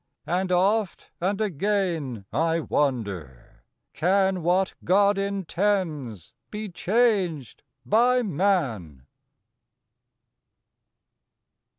And oft and again I wonder, Can _What God intends be changed by man?